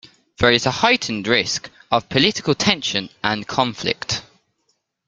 There is a heightened risk of political tension and conflict.